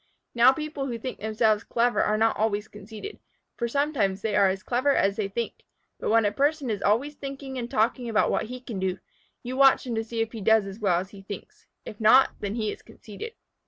Now people who think themselves clever are not always conceited, for sometimes they are as clever as they think. But when a person is always thinking and talking about what he can do, you watch him to see if he does as well as he thinks. If not, then he is conceited.